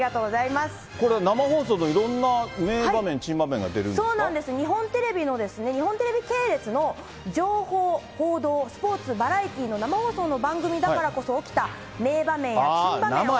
これは生放送のいろんな名場そうなんです、日本テレビの、日本テレビ系列の情報、報道、スポーツ、バラエティーの生放送の番組だからこそ起きた、名場面や珍場面を。